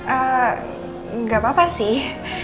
eee gak apa apa sih